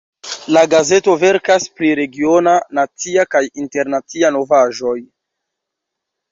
La gazeto verkas pri regiona, nacia kaj internacia novaĵoj.